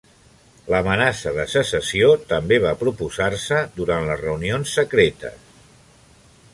L'amenaça de secessió també va proposar-se durant les reunions secretes.